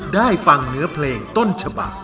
ได้ฟังเนื้อเพลงต้นฉบัก